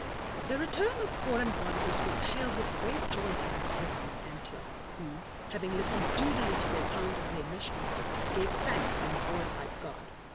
The return of Paul and Barnabas was hailed with great joy by the brethren in Antioch, who, having listened eagerly to the account of their mission, gave thanks and glorified God.